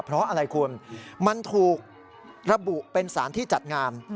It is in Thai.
เพราะอะไรคุณมันถูกระบุเป็นสารที่จัดงาน